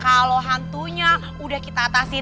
kalau hantunya udah kita atasin